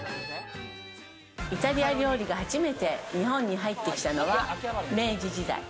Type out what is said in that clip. イタリア料理が初めて日本に入ってきたのは明治時代。